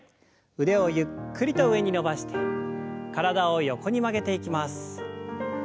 腕をゆっくりと上に伸ばして体を横に曲げていきます。